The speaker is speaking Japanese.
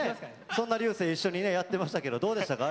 そんな流星一緒にねやってましたけどどうでしたか？